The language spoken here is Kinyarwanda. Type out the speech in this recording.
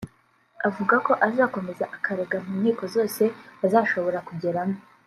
avuga ko azakomeza akarega mu nkiko zose azashobora kugeramo